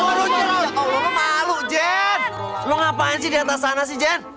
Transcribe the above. aduh masa lo mau mati sih jen